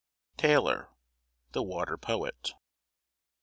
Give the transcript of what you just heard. TAYLOR, THE WATER POET.